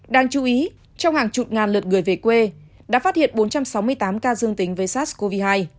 đáng chú ý trong hàng chục ngàn lượt người về quê đã phát hiện bốn trăm sáu mươi tám ca dương tính với sars cov hai